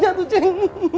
ditanya tuh cik